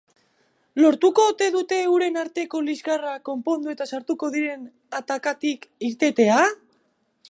Lortuko ote dute euren arteko liskarrak konpondu eta sartuko diren atakatik irtetea?